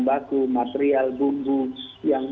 baku material bumbu yang